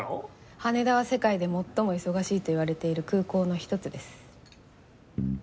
羽田は世界で最も忙しいといわれている空港の一つです。